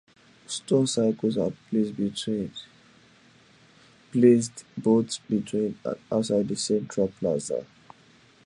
Stone circles are placed both within and outside the central plaza.